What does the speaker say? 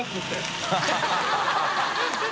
ハハハ